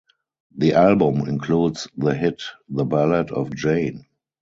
The album includes the hit "The Ballad of Jayne".